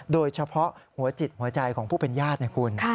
โดยเฉพาะหัวจิตหัวใจของผู้เป็นญาตินะคุณ